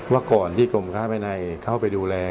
ว่าก่อนที่กรมค้าภายในเข้าไปดูแล